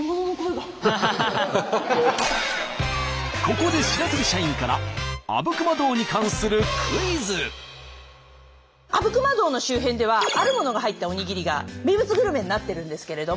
ここであぶくま洞の周辺ではあるものが入ったおにぎりが名物グルメになってるんですけれども。